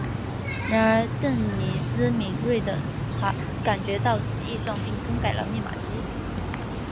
然而邓尼兹敏锐地感觉到此异状并更改了密码机。